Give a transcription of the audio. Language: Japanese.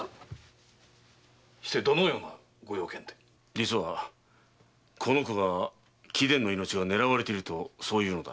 実はこの子が「貴殿の命が狙われている」とそう言うのだ。